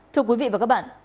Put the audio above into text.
thưa quý vị và các bạn